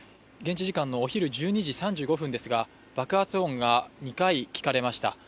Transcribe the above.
現地時間のお昼１２時３５分ですが、爆発音が２回、聞かれました。